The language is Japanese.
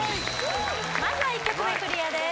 まずは１曲目クリアです